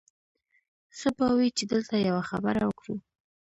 ښه به وي چې دلته یوه خبره وکړو